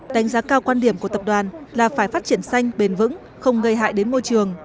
đánh giá cao quan điểm của tập đoàn là phải phát triển xanh bền vững không gây hại đến môi trường